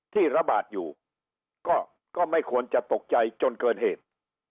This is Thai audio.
ที่ระบาดอยู่ก็ไม่ควรจะตกใจจนเกินเหตุ